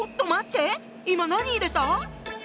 今何入れた？